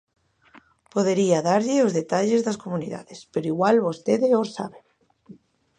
Podería darlle os detalles das comunidades, pero igual vostede os sabe.